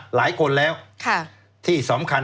หลายคนแล้วที่สำคัญ